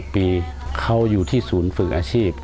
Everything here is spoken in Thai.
ปีเขาอยู่ที่ศูนย์ฝึกอาชีพ